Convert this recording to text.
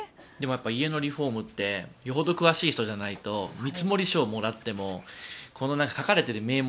家のリフォームってよほど詳しい人じゃないと見積書をもらってもこの書かれている名目